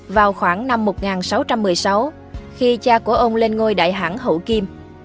vào khoảng năm một nghìn sáu trăm một mươi sáu khi cha của ông lên ngôi đại hẳn hậu kim